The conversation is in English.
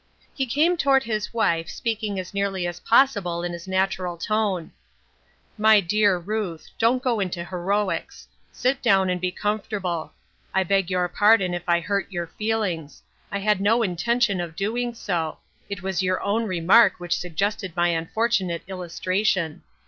He came toward his wife, speaking as nearly as possible in his natural tone :" My dear Ruth, don't go into heroics ; sit down and be comfort able. I beg your pardon if I hurt your feelings ; I had no intention of doing so ; it was your own remark which suggested my unfortunate illustra tion.